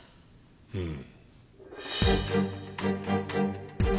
うん。